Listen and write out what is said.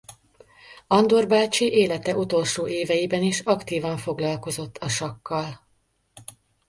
Andor bácsi élete utolsó éveiben is aktívan foglalkozott a sakkal.